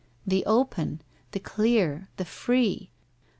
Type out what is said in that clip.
The open! The clear! The free!